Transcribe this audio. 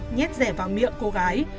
nhét rẻ vào miệng cô gái